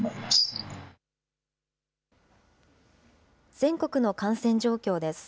全国の感染状況です。